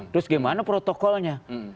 terus gimana protokolnya